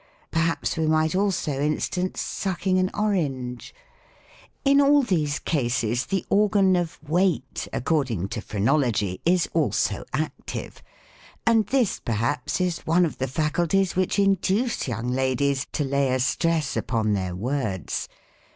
Perhaps we might also instance, sucking an orange In all these cases, the organ of Weigiit, according to PI Phrenology, is also active ; ana this, perhaps, is one of the faculties which induce young ladies to lay a stress upon their words.